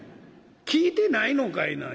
「聞いてないのんかいな。